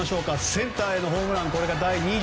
センターへのホームラン。